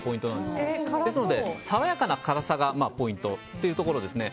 ですので爽やかな辛さがポイントというところですね。